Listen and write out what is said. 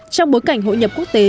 trong bối cảnh hội nhập quốc tế